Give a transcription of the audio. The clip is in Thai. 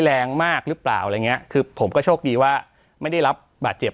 แรงมากหรือเปล่าอะไรอย่างเงี้ยคือผมก็โชคดีว่าไม่ได้รับบาดเจ็บ